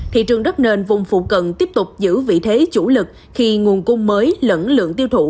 thị trường đất nền vùng phụ cận tiếp tục giữ vị thế chủ lực khi nguồn cung mới lẫn lượng tiêu thụ